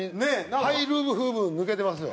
ハイルーフ分抜けてますよ。